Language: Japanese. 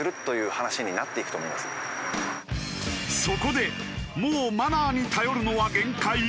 そこでもうマナーに頼るのは限界？